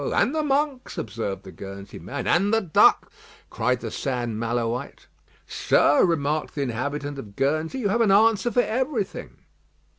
"And the Monks," observed the Guernsey man. "And the Duck," cried the St. Maloite. "Sir," remarked the inhabitant of Guernsey, "you have an answer for everything."